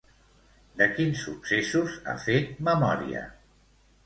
De quins successos ha fet memòria?